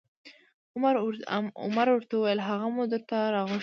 عمر ورته وویل: هغه مو درته راغوښتی